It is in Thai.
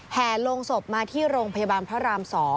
แห่ลงศพมาที่โรงพยาบาลพระราม๒